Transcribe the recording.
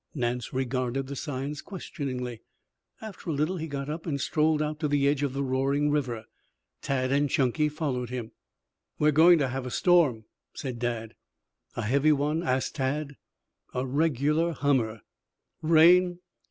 Nance regarded the signs questioningly. After a little he got up and strolled out to the edge of the roaring river. Tad and Chunky followed him. "We are going to have a storm," said Dad. "A heavy one?" asked Tad. "A regular hummer!" "Rain?"